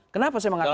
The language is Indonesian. kenapa saya mengatakan